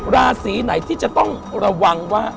ราศีไหนที่จะต้องระวังว่า